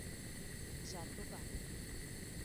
Jatobá